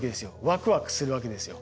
ワクワクするわけですよ。